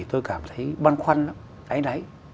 tôi cảm thấy băn khoăn lắm